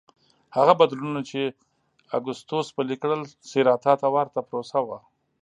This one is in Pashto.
هغه بدلونونه چې اګوستوس پلي کړل سېراتا ته ورته پروسه وه